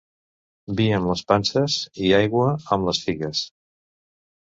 Vi amb les panses i aigua amb les figues.